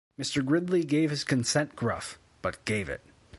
Mr. Gridley gave his consent gruff — but gave it.